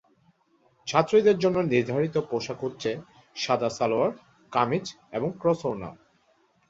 ছাত্রীদের জন্য নির্ধারিত পোশাক হচ্ছে সাদা সালোয়ার, কামিজ এবং ক্রস ওড়না।